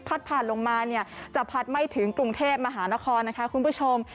พัดผ่านลงมาจะพัดไม่ถึงกรุงเทพมหานครคุณผู้ชม